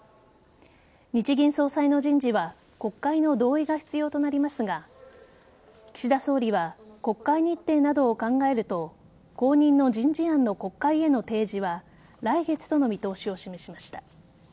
日銀総裁の人事は国会の同意が必要となりますが岸田総理は国会日程などを考えると後任の人事案の国会への提示は来月との見通しを示しました。